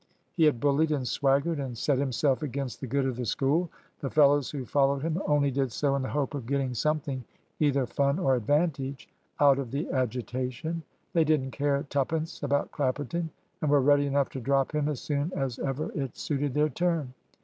He had bullied, and swaggered, and set himself against the good of the School. The fellows who followed him only did so in the hope of getting something either fun or advantage out of the agitation. They didn't care twopence about Clapperton, and were ready enough to drop him as soon as ever it suited their turn.